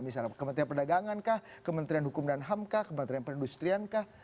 misalnya kementerian perdagangankah kementerian hukum dan ham kah kementerian perindustriankah